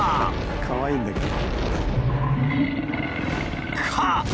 かわいいんだけど。